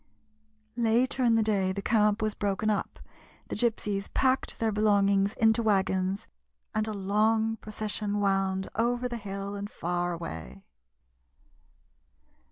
Later in the day the camp was broken up, the Gypsies packed their belongings into wagons, and a long procession wound over the hill and far away.